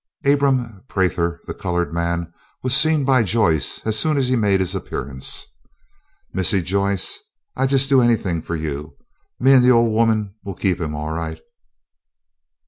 Abram Prather, the colored man, was seen by Joyce as soon as he made his appearance. "Missy Joyce, I jes' do enything fo' yo.' Me an' de ol' woman will keep him all right."